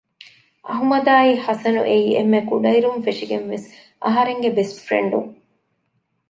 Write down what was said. އަޙުމަދުއާއި ޙަސަނު އެއީ އެންމެ ކުޑައިރުން ފެށިގެން ވެސް އަހަރެންގެ ބެސްޓް ފުރެންޑުން